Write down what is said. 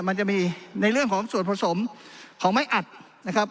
มันจะมีในเรื่องของส่วนผสมของไม้อัดนะครับ